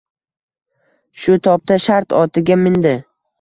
Shu topda shart otiga mindi